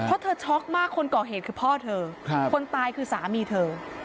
เพราะเธอช็อกมากคนก่อเหตุคือพ่อเธอคนตายคือสามีเธอ